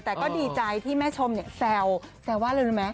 แต่ก็ดีใจที่แม่ชมเนี่ยแซวแซวว่าอะไรรู้ไหม